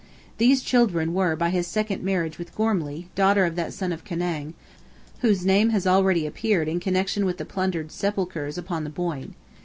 These children were by his second marriage with Gormley, daughter of that son of Conaing, whose name has already appeared in connection with the plundered sepulchres upon the Boyne.